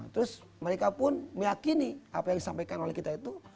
terus mereka pun meyakini apa yang disampaikan oleh kita itu